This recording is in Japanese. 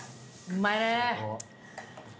うまい！